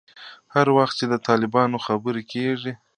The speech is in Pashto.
هر وخت چې د طالبانو خبره کېږي.